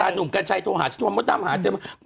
ตาหนุ่มกัญชัยโทรหาฉันมามักดำหาฉันมา